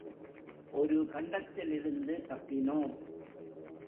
ஒரு கண்டத்திலிருந்து தப்பினோம்.